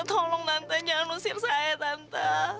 tolong tante jangan ngusir saya tante